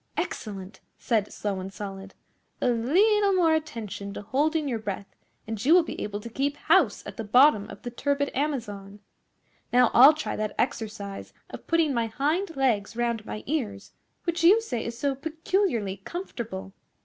'Excellent!' said Slow and Solid. 'A leetle more attention to holding your breath and you will be able to keep house at the bottom of the turbid Amazon. Now I'll try that exercise of putting my hind legs round my ears which you say is so peculiarly comfortable.